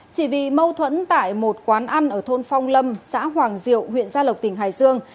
chỉ vì mâu thuẫn tại một quán ăn ở thôn phong lâm xã hoàng diệu huyện gia lộc tỉnh hải dương